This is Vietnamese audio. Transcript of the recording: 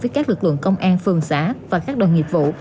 với các lực lượng công an phường xã và các đoàn nghiệp vụ